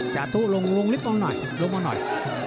จาธุลงลิฟต์ลงมาหน่อย